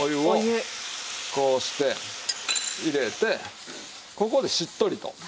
お湯をこうして入れてここでしっとりと。